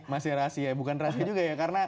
masih rahasia bukan rahasia juga ya karena